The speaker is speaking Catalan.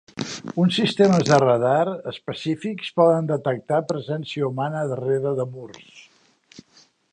Uns sistemes de radar específics poden detectar presència humana darrere de murs.